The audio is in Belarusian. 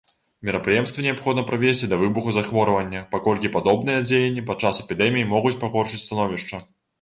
Мерапрыемствы неабходна правесці да выбуху захворвання, паколькі падобныя дзеянні падчас эпідэміі могуць пагоршыць становішча.